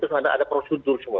terus ada prosedur semua